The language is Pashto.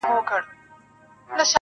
گرانه په دغه سي حشر كي جــادو